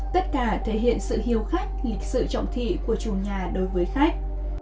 tất cả thể hiện sự hiếu khách lịch sự trọng thị của chủ nhà đối với khách